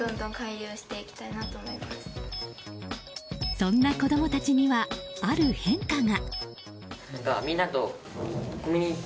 そんな子供たちにはある変化が。